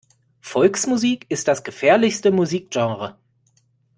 Volksmusik ist das gefährlichste Musikgenre.